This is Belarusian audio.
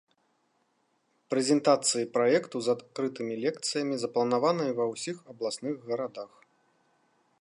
Прэзентацыі праекту з адкрытымі лекцыямі запланаваныя ва ўсіх абласных гарадах.